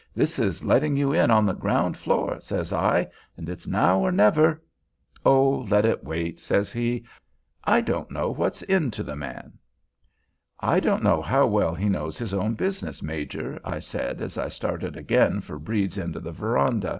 This is letting you in on the ground floor,' says I, 'and it's now or never.' 'Oh, let it wait,' says he. I don't know what's in to the man." "I don't know how well he knows his own business, Major," I said as I started again for Brede's end of the veranda.